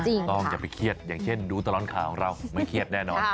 ต้องอย่าไปเครียดอย่างเช่นดูตลอดข่าวของเราไม่เครียดแน่นอน